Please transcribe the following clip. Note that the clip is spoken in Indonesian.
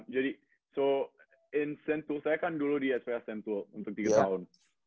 jadi jadi di sentul saya kan dulu di sps sentul untuk tiga tahun